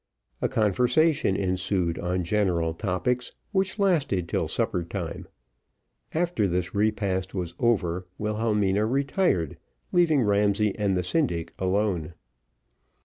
A conversation ensued on general topics, which lasted till supper time; after this repast was over Wilhelmina retired, leaving Ramsay and the syndic alone.